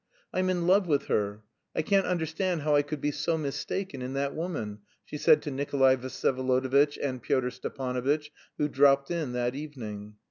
"I'm in love with her. I can't understand how I could be so mistaken in that woman," she said to Nikolay Vsyevolodovitch and Pyotr Stepanovitch, who dropped in that evening.